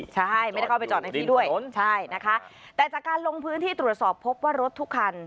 ใช่ไม่ได้เข้าไปจอดในที่ด้วยใช่นะคะแต่จากการลงพื้นที่ตรวจสอบพบว่ารถทุกคัน